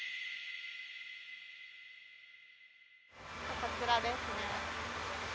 こちらですね。